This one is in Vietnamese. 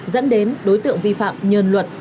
dẫn đến đối tượng vi phạm nhân luật